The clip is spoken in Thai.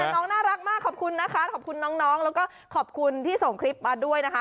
น้องน่ารักมากขอบคุณนะคะขอบคุณน้องแล้วก็ขอบคุณที่ส่งคลิปมาด้วยนะคะ